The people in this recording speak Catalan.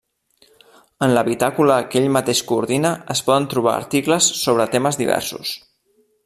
En la bitàcola que ell mateix coordina es poden trobar articles sobre temes diversos.